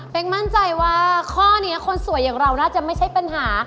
เป็นมั่นใจว่าข้อนี้คนสวยอย่างเราน่าจะไม่ใช่ปัญหา